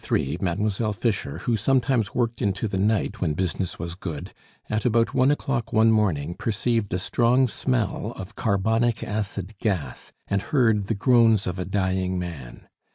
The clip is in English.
In 1833 Mademoiselle Fischer, who sometimes worked into the night when business was good, at about one o'clock one morning perceived a strong smell of carbonic acid gas, and heard the groans of a dying man.